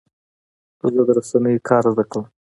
زه د رسنیو کار زده کوم.